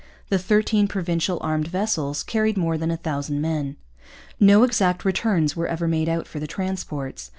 The thirteen Provincial armed vessels carried more than 1,000 men. No exact returns were ever made out for the transports.